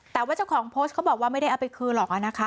แต่ว่าเจ้าของโพสต์เขาบอกว่าไม่ได้เอาไปคืนหรอกนะคะ